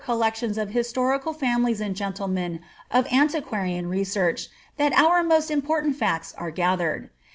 collections of historical families and gentle men of antiquarian research, that our most important facta are gathered.